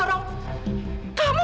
dan malam ini